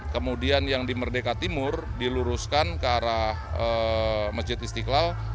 kemudian yang di merdeka timur diluruskan ke arah masjid istiqlal